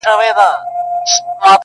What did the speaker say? چي د چا په غاړه طوق د غلامۍ سي -